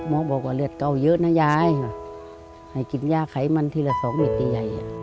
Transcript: บอกว่าเลือดเก่าเยอะนะยายให้กินยาไขมันทีละสองเม็ดที่ใหญ่